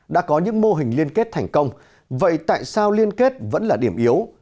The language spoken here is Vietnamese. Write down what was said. đã có những mô hình liên kết thành công vậy tại sao liên kết vẫn là điểm yếu